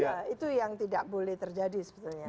ya itu yang tidak boleh terjadi sebetulnya